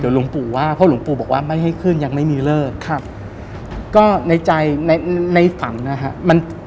เดี๋ยวหลวงปู่ว่าเพราะหลวงปู่บอกว่าไม่ให้ขึ้นยังไม่มีเลิกครับ